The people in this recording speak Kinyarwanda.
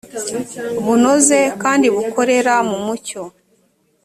bunoze kandi bukorera mu mucyo